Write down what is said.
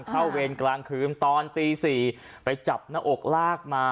เวรกลางคืนตอนตี๔ไปจับหน้าอกลากมา